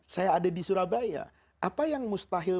saya ada di surabaya apa yang mustahil